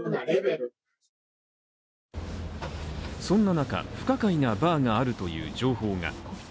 そんな中、不可解なバーがあるという情報が。